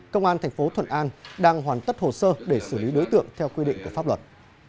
công an thành phố thuận an đang hoàn tất hồ sơ để xử lý đối tượng theo quy định của pháp luật